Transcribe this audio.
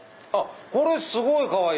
これすごいかわいい！